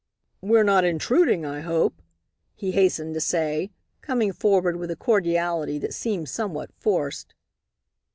"We're not intruding, I hope," he hastened to say, coming forward with a cordiality that seemed somewhat forced.